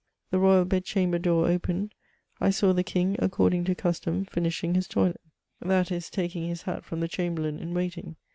The royal bed chamber door opened ; I saw the king, according to custom, finishing his toilet, — that is, taking his hat from the chamberlain in waiting.